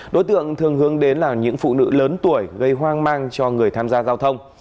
đối tượng thường hướng đến là những phụ nữ lớn tuổi gây hoang mang cho người tham gia giao thông